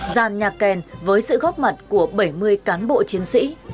gian nhạc kèn với sự góp mặt của bảy mươi cán bộ chiến sĩ